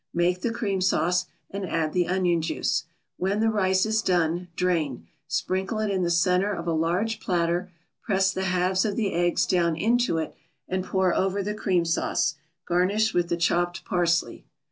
Make the cream sauce, and add the onion juice. When the rice is done, drain, sprinkle it in the center of a large platter, press the halves of the eggs down into it, and pour over the cream sauce. Garnish with the chopped parsley.